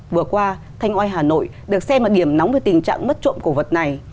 vừa qua thanh oai hà nội được xem là điểm nóng về tình trạng mất trộm cổ vật này